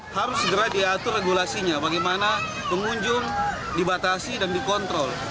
harus segera diatur regulasinya bagaimana pengunjung dibatasi dan dikontrol